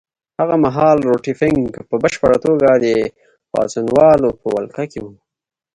هغه مهال روټي فنک په بشپړه توګه د پاڅونوالو په ولکه کې وو.